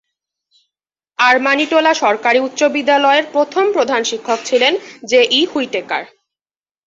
আরমানিটোলা সরকারি উচ্চ বিদ্যালয়ের প্রথম প্রধান শিক্ষক ছিলেন জে. E Whitaker.